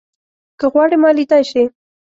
که غواړې ما ليدای شې